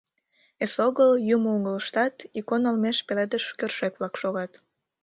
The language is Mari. Эсогыл, «юмо» угылыштат икон олмеш пеледыш кӧршӧк-влак шогат.